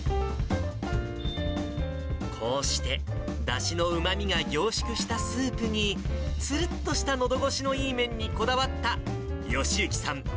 こうして、だしのうまみが凝縮したスープに、つるっとしたのどごしのいい麺にこだわった、義之さん